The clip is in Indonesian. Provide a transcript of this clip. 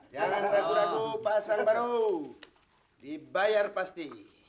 jangan ragu ragu pasang baru dibayar pasti